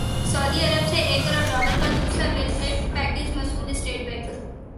سعودی عرب سے ایک ارب ڈالر کا دوسرا بیل اٹ پیکج موصول اسٹیٹ بینک